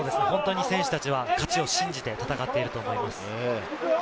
選手たちは勝ちを信じて戦っていると思います。